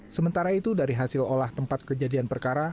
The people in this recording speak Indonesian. sementara itu dari hasil olah tempat kejadian perkara